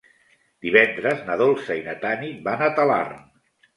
Divendres na Dolça i na Tanit van a Talarn.